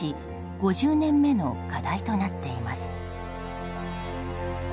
５０年目の課題となっています。